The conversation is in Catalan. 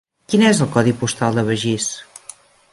Quin és el codi postal de Begís?